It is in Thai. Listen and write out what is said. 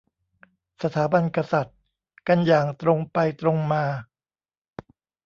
สถาบันกษัตริย์ กันอย่างตรงไปตรงมา